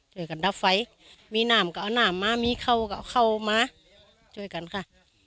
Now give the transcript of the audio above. เจ้ากันรับไฟมีนามก็เอานามมามีเขาก็เอาเข้ามาช่วยกันค่ะ